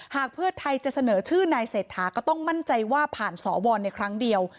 หากเพื่อไทยจะเสนอชื่อนายเศรษฐาก็ต้องมั่นใจว่าผ่านสวในครั้งเดียว